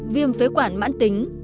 viêm phế quản mãn tính